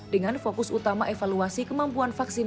dengan fokus utama evaluasi kemampuan vaksin